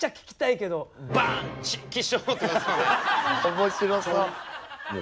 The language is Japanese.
面白そう。